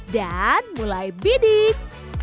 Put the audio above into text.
dan mulai bidik